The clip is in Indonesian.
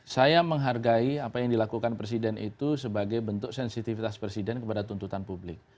saya menghargai apa yang dilakukan presiden itu sebagai bentuk sensitivitas presiden kepada tuntutan publik